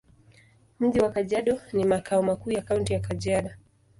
Mji wa Kajiado ni makao makuu ya Kaunti ya Kajiado.